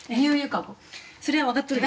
それは分かっとるよ。